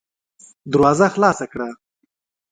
دروازه خلاصه کړه!